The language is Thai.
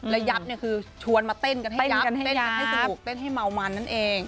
ยับเนี่ยคือชวนมาเต้นกันให้ยับเต้นกันให้สนุกเต้นให้เมามันนั่นเอง